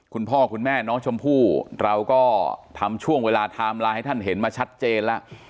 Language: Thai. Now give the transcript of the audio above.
คุณพ่อคุณแม่น้องชมพู่เราก็ทำช่วงเวลาไทม์ไลน์ให้ท่านเห็นมาชัดเจนแล้ว